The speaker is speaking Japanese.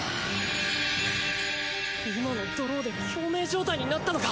今のドローで共鳴状態になったのか。